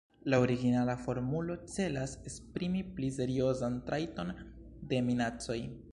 La originala formulo celas esprimi pli seriozan trajton de minacoj.